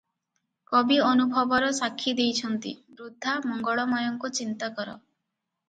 କବି ଅନୁଭବର ସାକ୍ଷୀ ଦେଇଚନ୍ତି- ବୃଦ୍ଧା, ମଙ୍ଗଳମୟଙ୍କୁ ଚିନ୍ତାକର ।